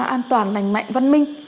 an toàn lành mạnh văn minh